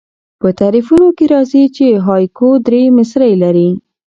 په تعریفونو کښي راځي، چي هایکو درې مصرۍ لري.